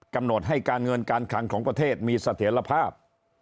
กำหนดให้การเงินการคังของประเทศมีเสถียรภาพ